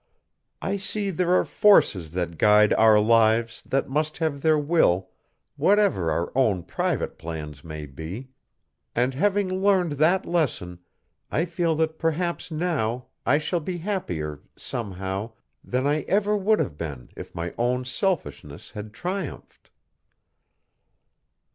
I see there are forces that guide our lives that must have their will whatever our own private plans may be, and, having learned that lesson, I feel that perhaps now I shall be happier, somehow, than I ever would have been if my own selfishness had triumphed."